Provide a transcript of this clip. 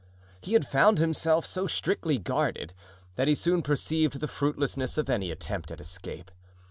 He had found himself so strictly guarded that he soon perceived the fruitlessness of any attempt at escape.